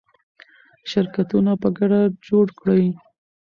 شرکتونه په ګډه جوړ کړئ.